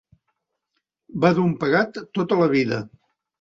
Va dur un pegat tota la vida.